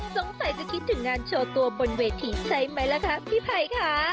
สงสัยจะคิดถึงงานโชว์ตัวบนเวทีใช่ไหมล่ะคะพี่ภัยค่ะ